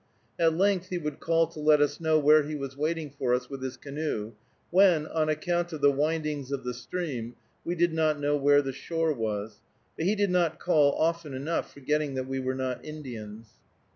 At length he would call to let us know where he was waiting for us with his canoe, when, on account of the windings of the stream, we did not know where the shore was, but he did not call often enough, forgetting that we were not Indians.